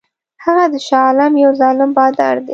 هغه د شاه عالم یو ظالم بادار دی.